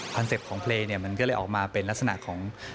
คอนเซ็ปต์ของเพลงมันก็เลยออกมาเป็นลักษณะของ